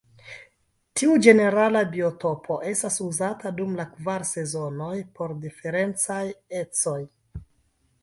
Tiu ĝenerala biotopo estas uzata dum la kvar sezonoj por diferencaj ecoj.